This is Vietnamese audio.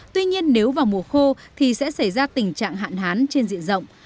tuy nhiên nếu vào mùa khô thì sẽ xảy ra tình trạng hạn hán trên diện rộng